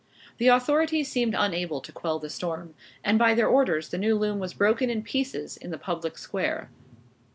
The authorities seemed unable to quell the storm, and by their orders the new loom was broken in pieces on the public square.